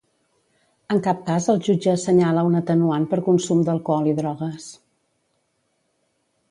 En cap cas el jutge assenyala un atenuant per consum d'alcohol i drogues.